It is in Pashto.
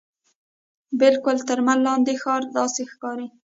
بالکل تر لمر لاندې ښار داسې ښکاري.